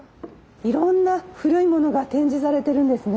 いろんな古いものが展示されてるんですね。